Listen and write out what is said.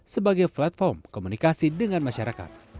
sebagai platform komunikasi dengan masyarakat